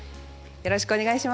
よろしくお願いします。